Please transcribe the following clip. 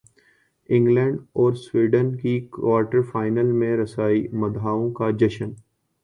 England اور Sweden کی quarter final میں رسائی مداحوں کا جشن